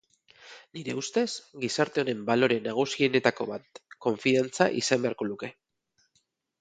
Nire ustez, gizarte honen balore nagusienetako bat konfidantza izan beharko luke.